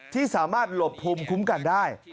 ที่สามารถหลบภูมิคุ้มกันได้